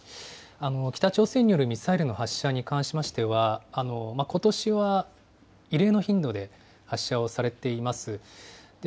北朝鮮によるミサイルの発射に関しましては、ことしは異例の頻度で発射をされています。